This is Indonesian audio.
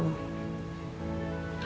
aku cemas banget sama mama